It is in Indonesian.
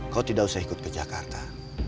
kau tidak usah ikut ke jakarta